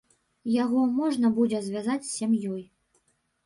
Яго можна будзе звязаць сям'ёй.